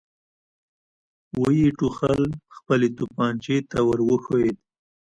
ويې ټوخل، خپلې توپانچې ته ور وښويېد.